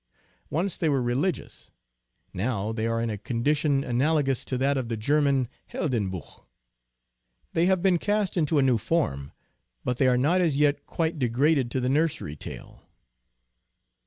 Once they were re ligious. Now they are in a condition analogous to that of the German Heldenbuch. They have been cast into a new form, but they are not as yet quite degraded to the nursery tale.